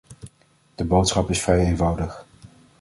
De boodschap is vrij eenvoudig.